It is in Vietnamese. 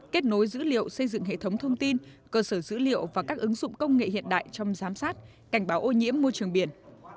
kết nối dữ liệu xây dựng hệ thống thông tin cơ sở dữ liệu và các ứng dụng công nghệ hiện đại trong giám sát cảnh báo ô nhiễm môi trường biển